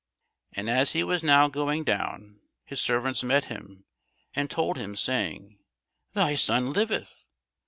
And as he was now going down, his servants met him, and told him, saying, Thy son liveth.